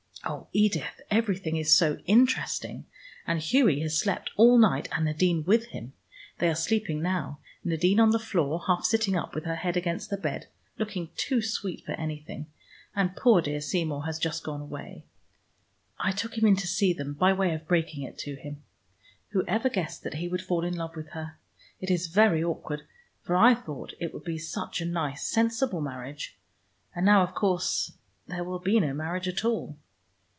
Oh, Edith, everything is so interesting, and Hughie has slept all night, and Nadine with him. They are sleeping now, Nadine on the floor half sitting up with her head against the bed, looking too sweet for anything. And poor dear Seymour has just gone away. I took him in to see them by way of breaking it to him. Whoever guessed that he would fall in love with her? It is very awkward, for I thought it would be such a nice sensible marriage. And now of course there will be no marriage at all."